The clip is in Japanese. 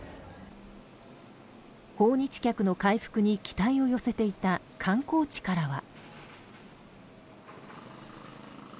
訪日客の回復に期待を寄せていた観光地からは。